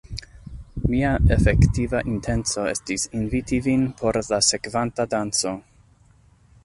Mia efektiva intenco estis inviti vin por la sekvanta danco.